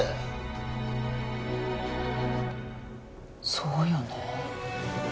そうよね。